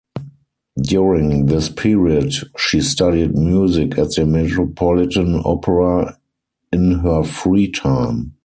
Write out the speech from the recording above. During this period, she studied music at the Metropolitan Opera in her free time.